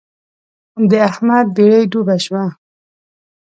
د احمد بېړۍ ډوبه شوه.